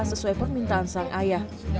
sesuai permintaan sang ayah